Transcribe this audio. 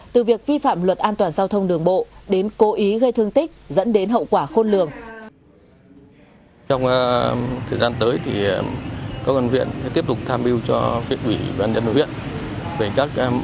từ việc vi phạm luật an toàn giao thông đường bộ đến cố ý gây thương tích dẫn đến hậu quả khôn lường